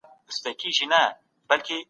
پښتو ژبه زموږ د خاوري او وطن روح دی